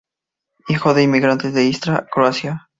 Hijo de inmigrantes de Istria, Croacia.